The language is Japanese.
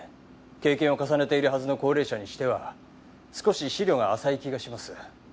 経験を重ねているはずの高齢者にしては少し思慮が浅い気がします。